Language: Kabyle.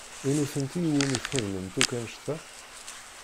I nutenti i wumi txedmemt akk annect-a?